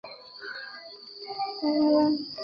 两人婚后搬进桥上的房屋。